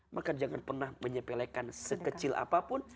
maka jangan pernah menyepelekan sekecil apapun